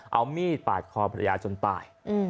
เอามีดปาดคอภรรยาจนตาย